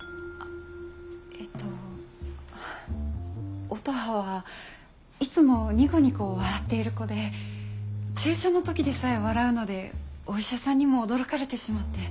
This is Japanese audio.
えっと乙葉はいつもニコニコ笑っている子で注射の時でさえ笑うのでお医者さんにも驚かれてしまって。